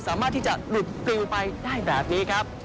สามารถที่จะหลุดกลิวไปได้แบบนี้ครับ